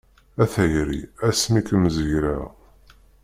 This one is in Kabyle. A tayri asmi kem-zegleɣ.